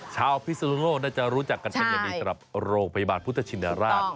พิศนุโลกน่าจะรู้จักกันเป็นอย่างดีสำหรับโรงพยาบาลพุทธชินราช